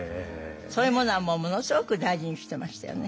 そういうものはものすごく大事にしてましたよね。